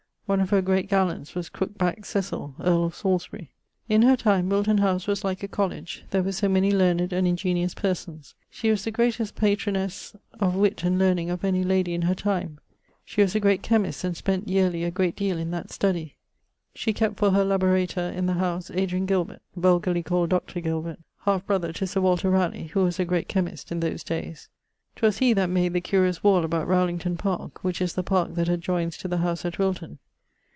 One of her great gallants was crooke back't Cecill, earl of Salisbury. In her time Wilton house was like a College, there were so many learned and ingeniose persons. She was the greatest patronesse of witt and learning of any lady in her time. She was a great chymist and spent yearly a great deale in that study. She kept for her laborator in the house Adrian Gilbert (vulgarly called Dr. Gilbert), halfe brother to Sir Walter Ralegh, who was a great chymist in those dayes. 'Twas he that made the curious wall about Rowlington parke, which is the parke that adjoyns to the house at Wilton.